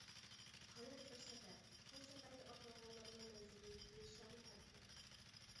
ھايات بىر سەپەر، بۇ سەپەرگە ئاتلانغانلارنىڭ مەنزىلى، نىشانى پەرقلىق.